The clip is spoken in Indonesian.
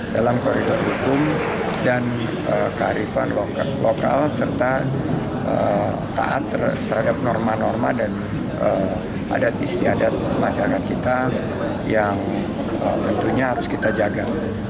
dalam koridor hukum dan kearifan lokal serta taat terhadap norma norma dan adat istiadat masyarakat kita yang tentunya harus kita jaga